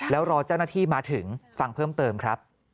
แล้วรอเจ้าหน้าที่มาถึงฟังเพิ่มเติมครับ